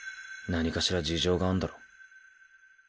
何かしら事情があんだろ。